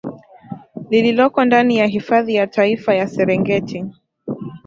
lililoko ndani ya hifadhi ya taifa ya Serengeti